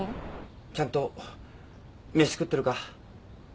ちゃんとメシ食ってるか？